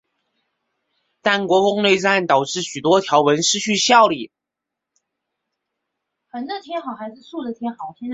但国共内战导致许多条文失去效力。